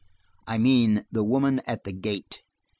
"I mean–the woman at the gate."